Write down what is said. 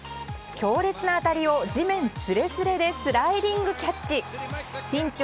強烈な当たりを地面すれすれでスライディングキャッチ。